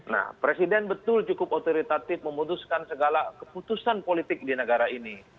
nah presiden betul cukup otoritatif memutuskan segala keputusan politik di negara ini